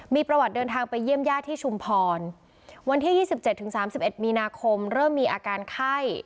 มีประวัติเดินทางไปเยี่ยมญาติที่ชุมพรวันที่๒๗ถึง๓๑มีนาคมเริ่มมีอาการไข้